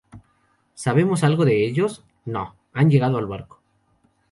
¿ sabemos algo de ellos? no, han llegado al barco